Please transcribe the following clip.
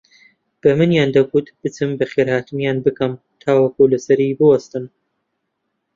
بەمنیان دەگوت بچم بەخێرهاتنیان بکەم تاوەکو لەسەری بووەستن